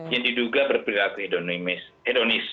yang diduga berpilihan hedonis